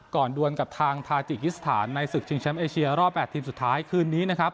ดวนกับทางทาจิกิสถานในศึกชิงแชมป์เอเชียรอบ๘ทีมสุดท้ายคืนนี้นะครับ